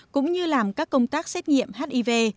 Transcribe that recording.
cũng như làm các công tác xét nghiệm hiv